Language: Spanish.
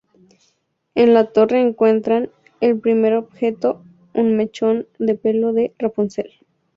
En la torre encuentran el primer objeto- un mechón de pelo de Rapunzel.